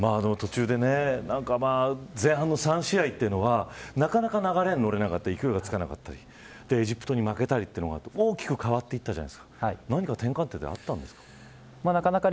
途中で前半の３試合というのはなかなか流れに乗れず勢いがつけなかったりエジプトに負けたりもして大きく変わったじゃないですか。